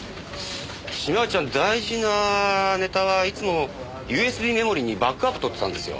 島内ちゃん大事なネタはいつもＵＳＢメモリーにバックアップとってたんですよ。